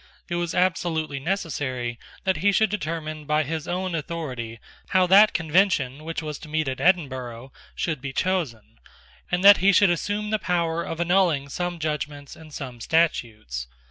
It was absolutely necessary that he should determine by his own authority how that Convention which was to meet at Edinburgh should be chosen, and that he should assume the power of annulling some judgments and some statutes.